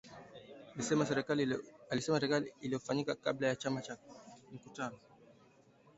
Alisema serikali iliwanyima kibali cha kufanya mkutano